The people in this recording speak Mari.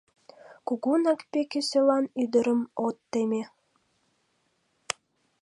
Кугунак Пеке-солан ӱдырым от теме.